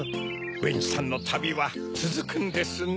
ベンチさんのたびはつづくんですね。